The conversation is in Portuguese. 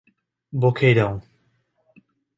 Boqueirão